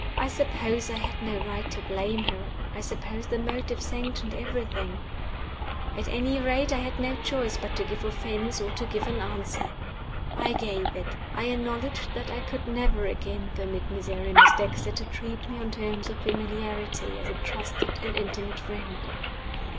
I suppose I had no right to blame her; I suppose the motive sanctioned everything. At any rate, I had no choice but to give offense or to give an answer. I gave it. I acknowledged that I could never again permit Miserrimus Dexter to treat me on terms of familiarity as a trusted and intimate friend.